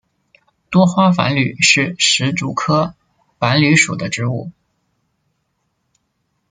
多花繁缕是石竹科繁缕属的植物。